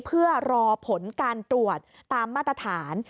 เพื่อรอผลการตรวจตามมาตรฐาน